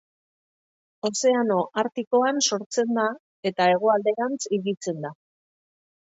Ozeano Artikoan sortzen da, eta hegoalderantz higitzen da.